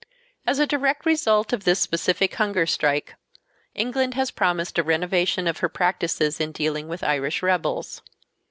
As a direct result of this specific hunger strike England has promised a renovation of her practices in dealing with Irish rebels.